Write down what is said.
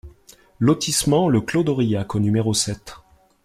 Lotissement Le Clos d'Auriac au numéro sept